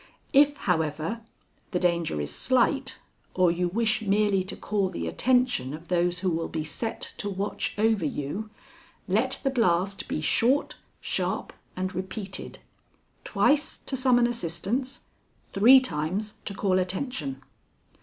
If, however, the danger is slight, or you wish merely to call the attention of those who will be set to watch over you, let the blast be short, sharp, and repeated twice to summon assistance, three times to call attention.